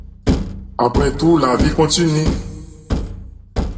Après tout, la vie continue.